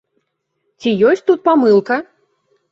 Ці ёсць тут памылка?